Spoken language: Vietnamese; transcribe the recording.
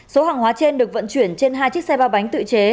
số hàng hóa trên được vận chuyển trên hai chiếc xe ba bánh tự chế